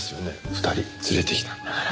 ２人連れてきたんだから。